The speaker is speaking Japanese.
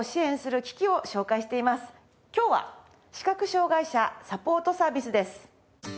今日は視覚障がい者サポートサービスです。